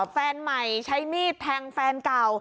แฟนใหม่ใช้มีดแทงแฟนเก่า